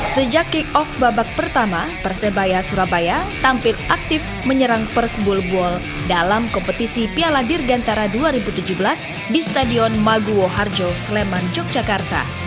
sejak kick off babak pertama persebaya surabaya tampil aktif menyerang persembul buol dalam kompetisi piala dirgantara dua ribu tujuh belas di stadion maguwo harjo sleman yogyakarta